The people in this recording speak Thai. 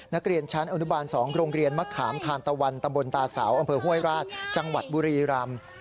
นักเรียนชั้นอนุบาล๒โรงเรียนมะขามทานตะวันตำบลตาเสาอำเภอห้วยราชจังหวัดบุรีรำ